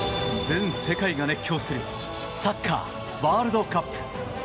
全世界が熱狂するサッカーワールドカップ。